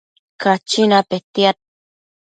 Cachina petiad